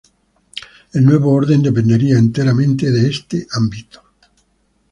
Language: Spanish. El nuevo orden dependería enteramente de este ámbito.